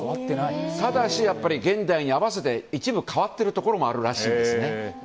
ただし、現代に合わせて一部変わっているところもあるらしいんですね。